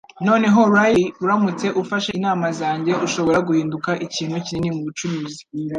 Noneho, Riley, uramutse ufashe inama zanjye ushobora guhinduka ikintu kinini mubucuruzi